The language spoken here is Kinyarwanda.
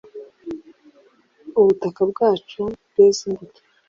Ubutaka bwacu bweze imbuto